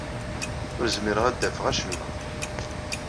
Ur zmireɣ ad d-afeɣ acemma.